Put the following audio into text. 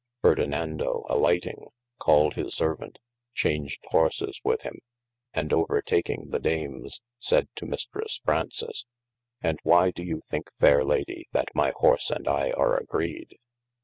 Ferdinando alighting called his servaunt, chaunged horses with him, and over taking the Dames, sayd to Mistres Fraunces : And why doe you think fayre Lady that my horse and I are agreed